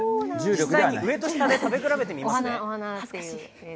実際に上と下で食べ比べてみますね。